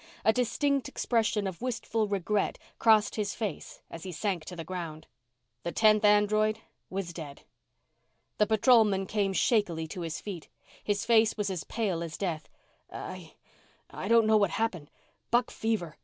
A distinct expression of wistful regret crossed his face as he sank to the ground. The tenth android was dead. The patrolman came shakily to his feet. His face was as pale as death. "I I don't know what happened. Buck fever.